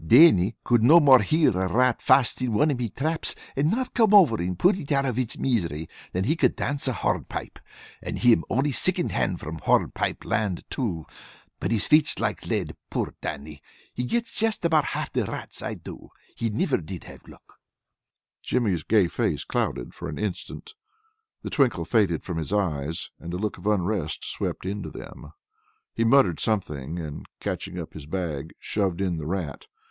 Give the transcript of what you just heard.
"Dannie could no more hear a rat fast in one of me traps and not come over and put it out of its misery, than he could dance a hornpipe. And him only sicond hand from hornpipe land, too! But his feet's like lead. Poor Dannie! He gets just about half the rats I do. He niver did have luck." Jimmy's gay face clouded for an instant. The twinkle faded from his eyes, and a look of unrest swept into them. He muttered something, and catching up his bag, shoved in the rat.